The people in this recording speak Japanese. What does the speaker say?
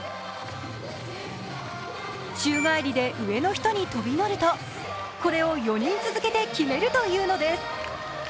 宙返りで上の人に飛び乗るとこれを４人続けて決めるというのです。